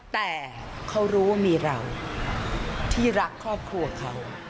แต่เขารู้ว่ามีเราที่รักครอบครัวเขา